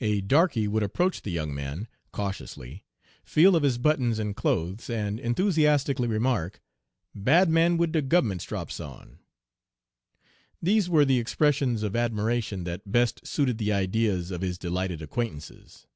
"A darkey would approach the young man, cautiously, feel of his buttons and clothes, and enthusiastically remark: "'Bad man wid de gub'ment strops on!' "These were the expressions of admiration that best suited the ideas of his delighted acquaintances.